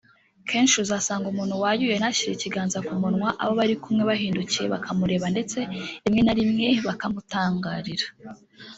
Kenshi uzasanga umuntu wayuye ntashyire ikiganza ku munwa abo bari kumwe bahindukiye bakamureba ndetse rimwe na rimwe bakamutangarira